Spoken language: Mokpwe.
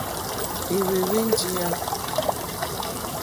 Ɛ́hwɛ́ǃhwɛ́ njìyá.